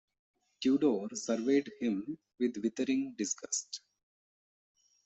Tudor surveyed him with withering disgust.